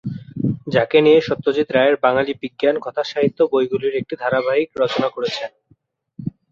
যাকে নিয়ে সত্যজিৎ রায়ের বাঙালি বিজ্ঞান কথাসাহিত্য বইগুলির একটি ধারাবাহিক রচনা করেছেন।